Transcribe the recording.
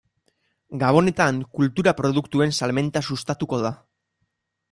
Gabonetan kultura produktuen salmenta sustatuko da.